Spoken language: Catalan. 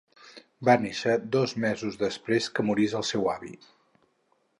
Va néixer dos mesos després que morís el seu avi.